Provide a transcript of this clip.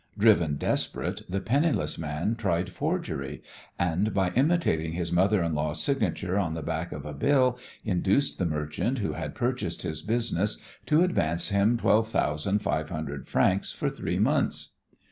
Driven desperate, the penniless man tried forgery, and by imitating his mother in law's signature on the back of a bill induced the merchant who had purchased his business to advance him twelve thousand five hundred francs for three months.